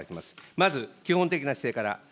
まず基本的な姿勢から。